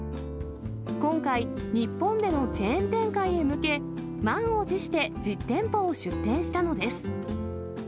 今回、日本でのチェーン展開へ向け、満を持して実店舗を出店したのです。